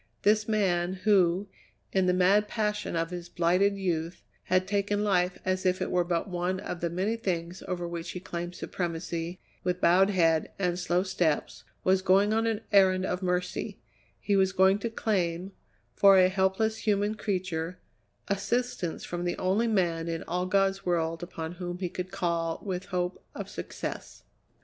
This man who, in the mad passion of his blighted youth, had taken life as if it were but one of the many things over which he claimed supremacy, with bowed head and slow steps, was going on an errand of mercy; he was going to claim, for a helpless human creature, assistance from the only man in all God's world upon whom he could call with hope of success.